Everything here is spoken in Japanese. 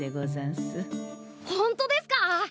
ほんとですか！？